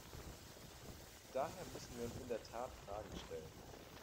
Daher müssen wir uns in der Tat Fragen stellen.